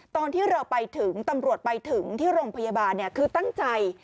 ตอนที่เราไปถึงตำรวจไปถึงที่โรงพยาบาลคือตั้งใจ